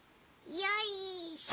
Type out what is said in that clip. よいしょ。